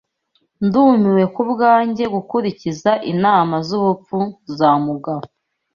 Ndumiwe kubwanjye gukurikiza inama zubupfu za Mugabo.